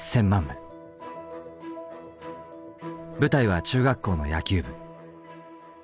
舞台は中学校の野球部。